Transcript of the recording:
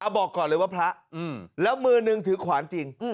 บอกก่อนเลยว่าพระแล้วมือนึงถือขวานจริง